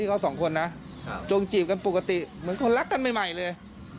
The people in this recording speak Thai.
เขาสองคนนะจงจีบกันปกติเหมือนคนรักกันใหม่เลย